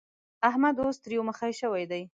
احمد اوس تريو مخی شوی دی.